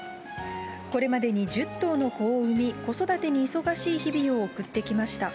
これまでに１０頭の子を産み、子育てに忙しい日々を送ってきました。